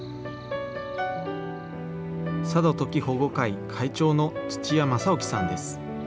佐渡トキ保護会、会長の土屋正起さんです。